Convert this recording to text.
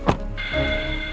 supy naik dong